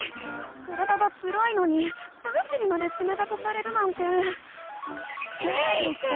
体がつらいのに男子にまでつめたくされるなんて。